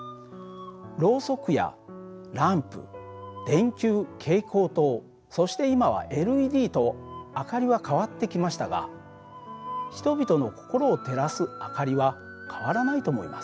ろうそくやランプ電球蛍光灯そして今はＬＥＤと明かりは変わってきましたが人々の心を照らす明かりは変わらないと思います。